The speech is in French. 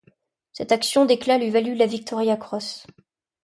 Cette action d'éclat lui valut la Victoria Cross.